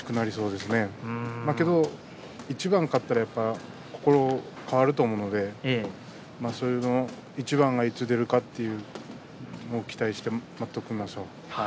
ですが一番勝ったら心が変わると思うのでその一番がいつ出るかというのを期待して待っていきましょう。